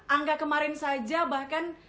angga kemarin saja bahkan